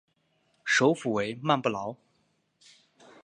首府为曼布劳。